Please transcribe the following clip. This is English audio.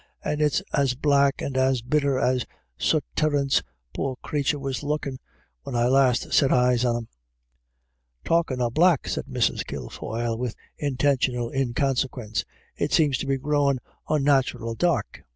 And it's as black and as bitter as sut Terence, poor crathur was lookin' when I last set eyes on him." « Talkin' of black," said Mrs. Kilfoyle, with in 182 IRISH IDYLLS. tentional inconsequence, " it seems to me growm* onnatural dark."